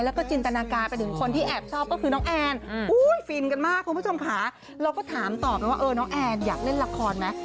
แล้วก็จินตนาการไปถึงคนที่แอบชอบก็คือน้องแอนฟินกันมากคุณผู้ชมค่ะเราก็ถามต่อไปว่าเออน้องแอนอยากเล่นละครไหม